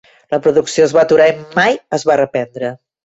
La producció es va aturar i mai es va reprendre.